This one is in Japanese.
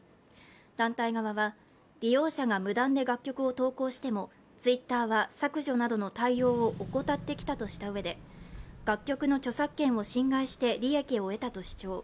団体側は、利用者が無断で楽曲を投稿しても、Ｔｗｉｔｔｅｒは削除などの対応を怠ってきたとしたうえで楽曲の著作権を侵害して利益を得たと主張。